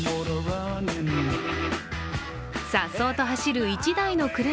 さっそうと走る１台の車。